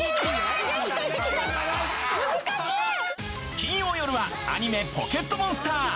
金曜よるはアニメ『ポケットモンスター』！